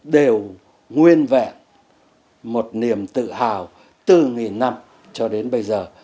đều nguyên vẹn một niềm tự hào từ nghìn năm cho đến bây giờ